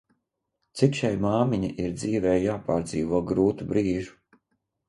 Cik šai māmiņa ir dzīvē jāpārdzīvo grūtu brīžu!